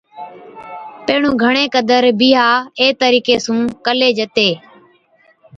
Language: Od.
پيهڻُون گھڻي قدر بِيھا اي طريقي سُون ڪلِي جتي